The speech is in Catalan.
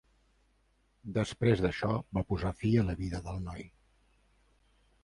Després d'això, va posar fi a la vida del noi.